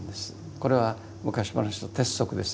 これは昔話の鉄則です。